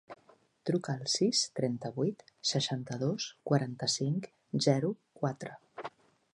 Truca al sis, trenta-vuit, seixanta-dos, quaranta-cinc, zero, quatre.